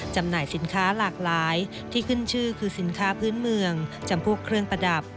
จำหน่ายสินค้าหลากหลายที่ขึ้นชื่อคือสินค้าพื้นเมืองจำพวกเครื่องประดับ